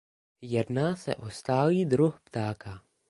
Jedná se o stálý druh ptáka.